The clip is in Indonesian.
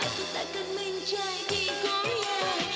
aku takkan menjadi goyang